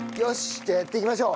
じゃあやっていきましょう。